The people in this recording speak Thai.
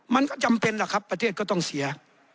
มันก็จำเป็นล่ะครับประเทศก็ต้องเสีย